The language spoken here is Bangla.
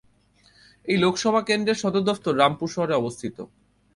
এই লোকসভা কেন্দ্রের সদর দফতর রামপুর শহরে অবস্থিত।